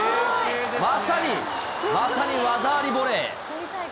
まさに、まさに技ありボレー。